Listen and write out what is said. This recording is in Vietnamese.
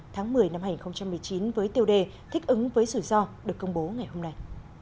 tháng một mươi năm hai nghìn một mươi chín với tiêu đề thích ứng với rủi ro được công bố ngày hôm nay